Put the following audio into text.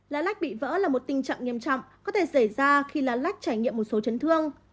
lá lách bị vỡ là một tình trạng nghiêm trọng có thể xảy ra khi lá lách trải nghiệm một số chấn thương